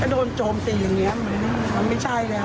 โดนโจมตีอย่างนี้มันไม่ใช่แล้ว